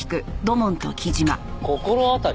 心当たり？